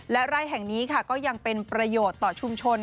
และไร่แห่งนี้ค่ะก็ยังเป็นประโยชน์ต่อชุมชน